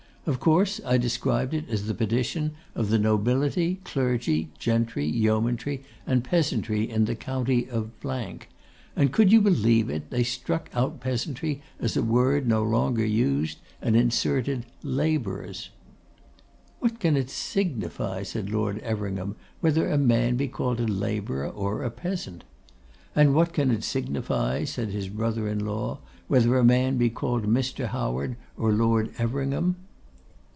Of course, I described it as the petition of the nobility, clergy, gentry, yeomanry, and peasantry of the county of ; and, could you believe it, they struck out peasantry as a word no longer used, and inserted labourers.' 'What can it signify,' said Lord Everingham, 'whether a man be called a labourer or a peasant?' 'And what can it signify,' said his brother in law, 'whether a man be called Mr. Howard or Lord Everingham?